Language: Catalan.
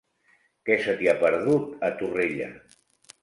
Què se t'hi ha perdut, a Torrella?